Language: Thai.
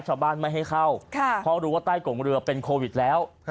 ชาวบ้านไม่ให้เข้าเพราะรู้ว่าใต้กงเรือเป็นโควิดแล้ว